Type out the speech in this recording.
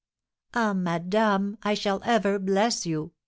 "Ah, madame, I shall ever bless you!"